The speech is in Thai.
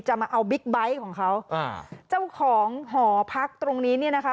มาเอาบิ๊กไบท์ของเขาอ่าเจ้าของหอพักตรงนี้เนี่ยนะคะ